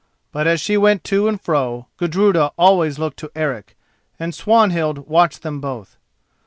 But as she went to and fro, Gudruda always looked at Eric, and Swanhild watched them both.